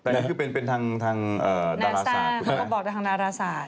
แต่นี่คือเป็นทางดาราศาสตร์ใช่มั้ย